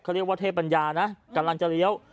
เขาเรียกว่าเทพปัญญานะกำลังจะเลี้ยว